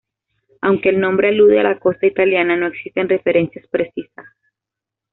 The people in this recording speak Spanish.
Aunque el nombre alude a la costa italiana, no existen referencias precisas.